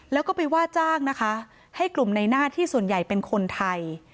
แล้วก็ไปว่าจ้างนะคะให้กลุ่มในหน้าที่ส่วนใหญ่เป็นคนไทย